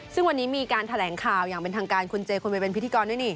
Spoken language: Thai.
ซึ่งวันนี้มีการแถลงข่าวอย่างเป็นทางการคุณเจคุณไปเป็นพิธีกรด้วยนี่